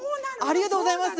ありがとうございます！